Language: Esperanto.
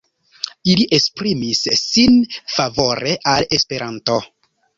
Ili esprimis sin favore al Esperanto.